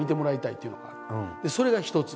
それが一つ。